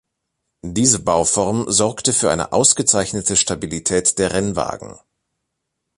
Diese Bauform sorgte für eine ausgezeichnete Stabilität der Rennwagen.